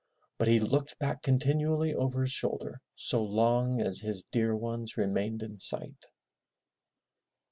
But he looked back continually over his shoulder so long as his dear ones remained in sight.